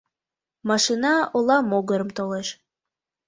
Машина ола могырым толеш.